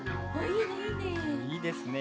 いいですね。